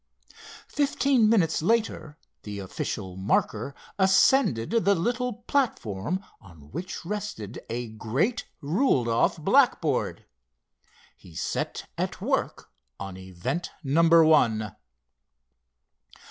Fifteen minutes later the official marker ascended the little platform on which rested a great ruled off blackboard. He set at work on event number one.